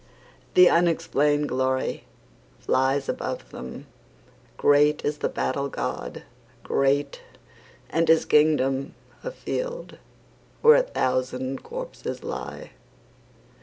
The unexplained glory flies above them, Great is the battle god, great, and his kingdom A field where a thousand corpses lie.